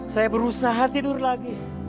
saya berusaha tidur lagi